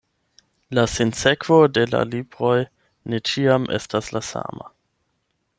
La sinsekvo de la libroj ne ĉiam estas la sama.